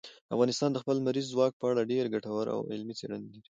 افغانستان د خپل لمریز ځواک په اړه ډېرې ګټورې او علمي څېړنې لري.